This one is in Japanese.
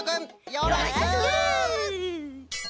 よろしく！